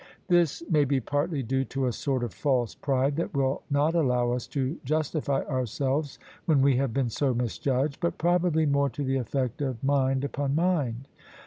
This may be partly due to a sort of false pride that will not allow us to justify ourselves when we have been so misjudged: but probably more to the eflfect'of mind upon mind.